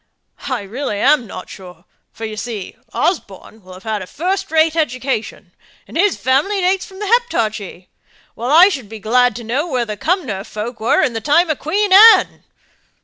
I really am not sure; for you see Osborne will have had a first rate education, and his family dates from the Heptarchy, while I should be glad to know where the Cumnor folk were in the time of Queen Anne?"